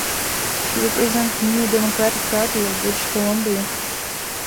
She represents the New Democratic Party of British Columbia.